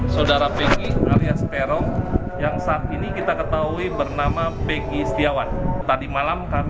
saudara pengki alias terong yang saat ini kita ketahui bernama peggy setiawan tadi malam kami